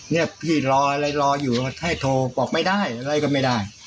เนี่ยพี่รออะไรรออยู่ให้โทรบอกไม่ได้อะไรก็ไม่ได้